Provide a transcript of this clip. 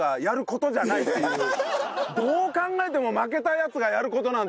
どう考えても負けたヤツがやる事なんだ。